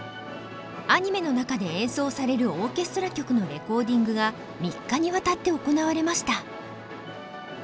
アニメの中で演奏されるオーケストラ曲のレコーディングが３日にわたって行われました。